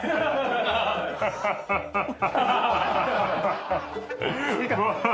ハハハ。ハハハ。